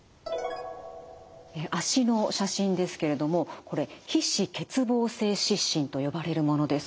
脚の写真ですけれどもこれ皮脂欠乏性湿疹と呼ばれるものです。